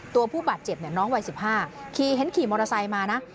ผู้บาดเจ็บเนี่ยน้องวัย๑๕ขี่เห็นขี่มอเตอร์ไซค์มานะ